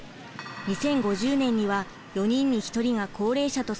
２０５０年には４人に１人が高齢者と推計されています。